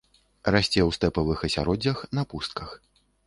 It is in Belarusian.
Расце ў стэпавых асяроддзях, на пустках.